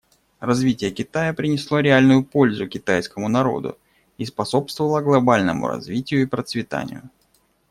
Развитие Китая принесло реальную пользу китайскому народу и способствовало глобальному развитию и процветанию.